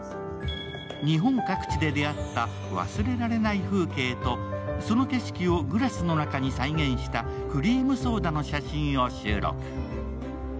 日本各地で出会った忘れられない風景とその景色をグラスの中に再現したクリームソーダの写真を収録。